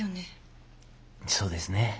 そうですね。